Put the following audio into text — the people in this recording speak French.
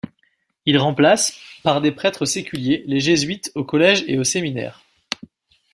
Il remplace par des prêtres séculiers les jésuites au collége et au séminaire.